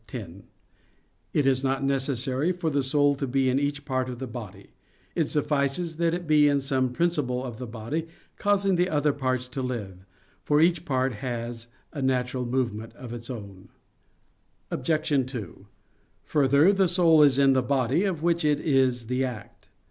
x): "It is not necessary for the soul to be in each part of the body; it suffices that it be in some principle of the body causing the other parts to live, for each part has a natural movement of its own." Obj. 2: Further, the soul is in the body of which it is the act.